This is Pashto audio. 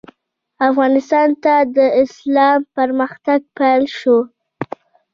افغانستان ته د اسلام پرمختګ پیل شو.